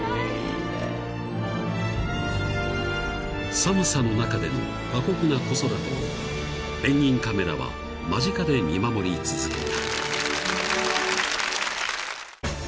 ［寒さの中での過酷な子育てをペンギンカメラは間近で見守り続けた］